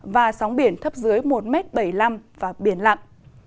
và sóng biển thấp dưới một bảy mươi năm và biển lặng